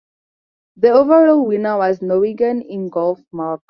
The overall winner was Norwegian Ingolf Mork.